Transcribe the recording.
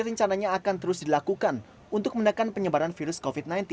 rencananya akan terus dilakukan untuk menekan penyebaran virus covid sembilan belas